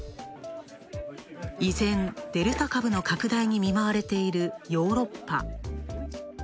依然、デルタ株の拡大に見舞われているヨーロッパ。